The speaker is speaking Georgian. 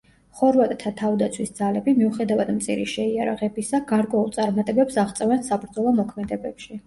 ხორვატთა თავდაცვის ძალები, მიუხედავად მწირი შეიარაღებისა, გარკვეულ წარმატებებს აღწევენ საბრძოლო მოქმედებებში.